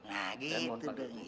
nah gitu dong